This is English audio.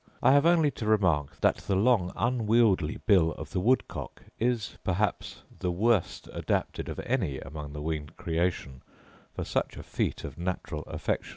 I have only to remark that the long unwieldy bill of the woodcock is perhaps the worst adapted of any among the winged creation for such a feat of natural affection.